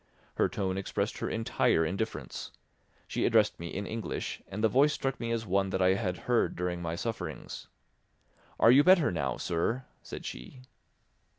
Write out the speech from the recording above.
Her tone expressed her entire indifference; she addressed me in English, and the voice struck me as one that I had heard during my sufferings. "Are you better now, sir?" said she.